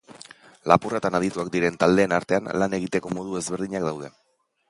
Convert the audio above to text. Lapurretan adituak diren taldeen artean, lan egiteko modu ezberdinak daude.